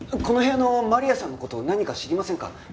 この部屋のマリアさんの事何か知りませんか？